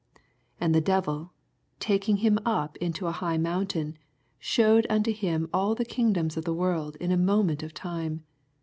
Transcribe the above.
5 And the devil, taking him up in to an high mountain, shewed unto him all the kingdoms of the world in a moment of tim'e.